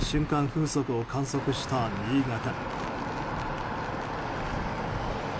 風速を観測した新潟。